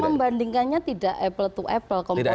tapi membandingkannya tidak apple to apple komponennya